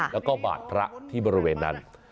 แล้วก็บาดพระที่บริเวณนั้น